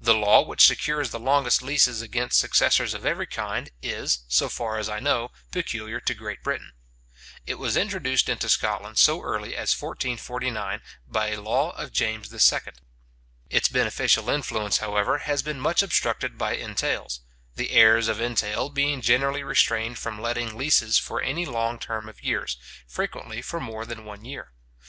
The law which secures the longest leases against successors of every kind, is, so far as I know, peculiar to Great Britain. It was introduced into Scotland so early as 1449, by a law of James II. Its beneficial influence, however, has been much obstructed by entails; the heirs of entail being generally restrained from letting leases for any long term of years, frequently for more than one year.